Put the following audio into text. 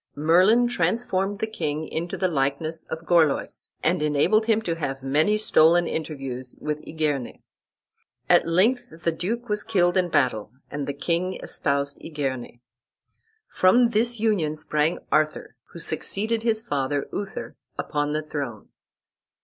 Merlin transformed the king into the likeness of Gorlois, and enabled him to have many stolen interviews with Igerne. At length the duke was killed in battle and the king espoused Igerne. From this union sprang Arthur, who succeeded his father, Uther, upon the throne.